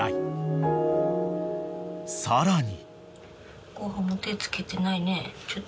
［さらに］